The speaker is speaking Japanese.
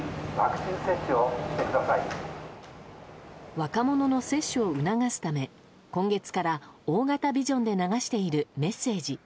若者の接種を促すため今月から大型ビジョンで流しているメッセージ。